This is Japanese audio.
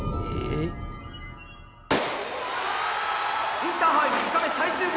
「インターハイ３日目最終日。